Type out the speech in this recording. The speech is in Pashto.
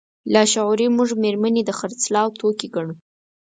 لاشعوري موږ مېرمنې د خرڅلاو توکي ګڼو.